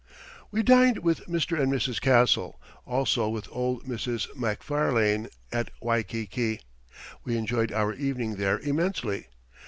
We dined with Mr. and Mrs. Castle, also with old Mrs. Macfarlane at Waikiki. We enjoyed our evening there immensely.